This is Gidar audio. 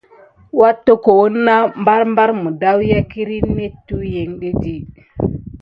Wat-tokowəni na ɓare miɖa wuya kiɗi net sayuɓa.